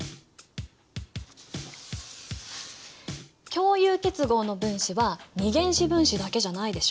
共有結合の分子は二原子分子だけじゃないでしょ？